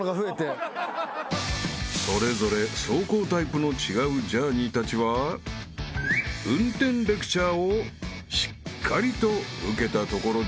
［それぞれ走行タイプの違うジャーニーたちは運転レクチャーをしっかりと受けたところで］